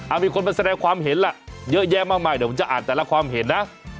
มีคนมาแสดงความเห็นล่ะเยอะแยะมากมายเดี๋ยวผมจะอ่านแต่ละความเห็นนะ